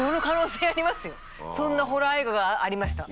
そんなホラー映画がありました。